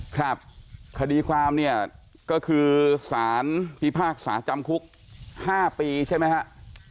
ครับคดีความเนี่ยก็คือสารพิพากษาจำคุก๕ปีใช่ไหมครับ